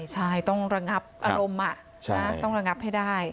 ใช่ต้องระงับอารมณ์ต้องระงับให้ได้